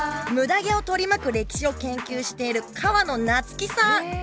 ムダ毛を取り巻く歴史を研究をしている河野夏生さん。